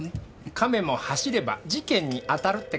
亀も走れば事件に当たるってか？